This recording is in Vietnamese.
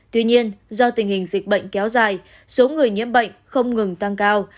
tuy nhiên do tình hình dịch bệnh kéo dài số người nhiễm bệnh không ngừng tăng cao